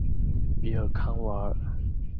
比尔康瓦尔。